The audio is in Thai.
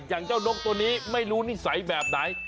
อย่างเจ้านกตัวนี้ไม่รู้นิสัยแบบไหน